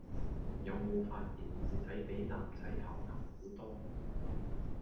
有冇發現女仔比男仔猴擒好多